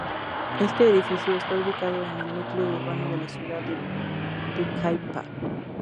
Este edificio está ubicado en el núcleo urbano de la ciudad de Pucallpa.